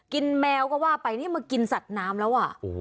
แมวก็ว่าไปนี่มากินสัตว์น้ำแล้วอ่ะ